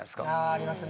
・あありますね・